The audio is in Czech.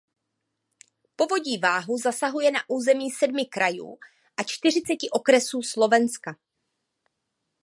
Povodí Váhu zasahuje na území sedmi krajů a čtyřiceti okresů Slovenska.